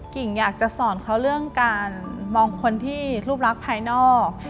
กิ่งอยากจะสอนเขาเรื่องการมองคนที่รูปรักภายนอก